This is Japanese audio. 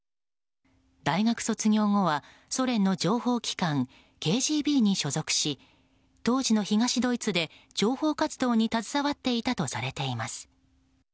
大学卒業後はソ連の情報機関ＫＧＢに所属し当時の東ドイツで諜報活動に携わっていたとされています。